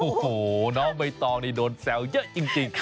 โอ้โหน้องใบตองนี่โดนแซวเยอะจริง